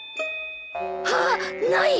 あっない！